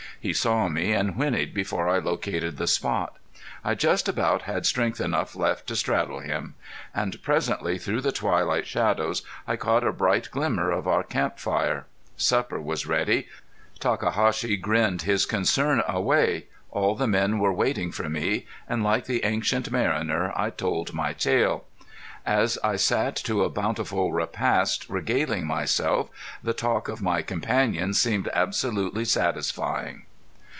He saw me and whinnied before I located the spot. I just about had strength enough left to straddle him. And presently through the twilight shadows I caught a bright glimmer of our camp fire. Supper was ready; Takahashi grinned his concern away; all the men were waiting for me; and like the Ancient Mariner I told my tale. As I sat to a bountiful repast regaling myself, the talk of my companions seemed absolutely satisfying.